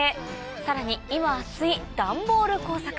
さらに今熱いダンボール工作。